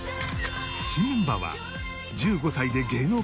新メンバーは１５歳で芸能界デビュー